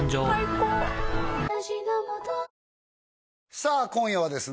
さあ今夜はですね